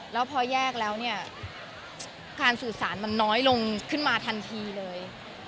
แล้วพอแยกแล้วเนี่ยการสื่อสารมันน้อยลงขึ้นมาทันทีเลย